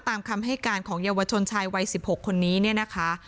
ตามคำให้การของเยาวชนชายวัย๑๖คนนี้เนี่ยนะคะ